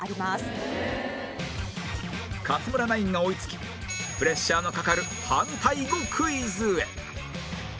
勝村ナインが追いつきプレッシャーのかかる反対語クイズへ